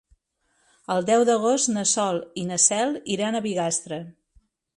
El deu d'agost na Sol i na Cel iran a Bigastre.